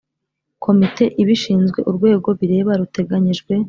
Komite ibishinzwe urwego bireba ruteganyijwe